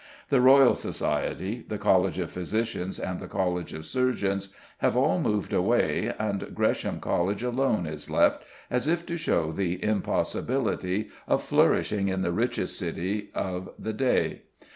The Royal Society, the College of Physicians, and the College of Surgeons have all moved away, and Gresham College alone is left, as if to show the impossibility of flourishing in the richest city of the day.